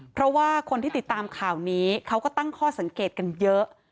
เพราะว่าคนที่ติดตามข่าวนี้เขาก็ตั้งข้อสังเกตกันเยอะ